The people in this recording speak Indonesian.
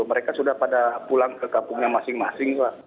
mereka sudah pada pulang ke kampungnya masing masing pak